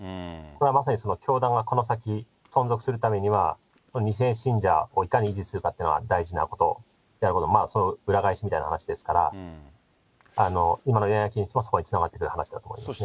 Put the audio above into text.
それはまさに教団がこの先、存続するためには、２世信者をいかに維持するかっていうのは大事なことであると、それの裏返しみたいな話でありますから、今の恋愛禁止もそこにつながってくる話だと思います。